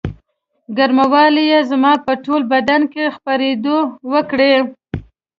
ګرموالي یې زما په ټول بدن کې خپرېدو وکړې.